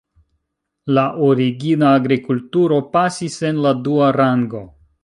La origina agrikulturo pasis en la dua rango.